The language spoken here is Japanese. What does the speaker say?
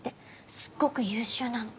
すっごく優秀なの。